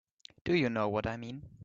Do you know what I mean?